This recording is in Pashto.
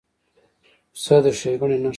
پسه د ښېګڼې نښه ده.